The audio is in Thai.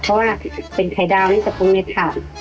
เพราะว่าเป็นไข่ดาวนี่จะพงในถาด